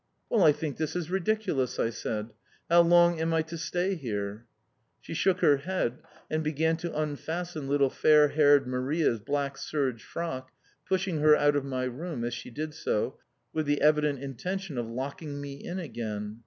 "Well, I think this is ridiculous," I said. "How long am I to stay here?" She shook her head, and began to unfasten little fair haired Maria's black serge frock, pushing her out of my room as she did so, with the evident intention of locking me in again.